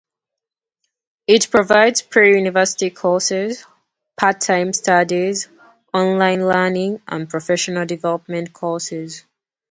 It provides pre-university courses, part-time studies, online learning and professional development courses.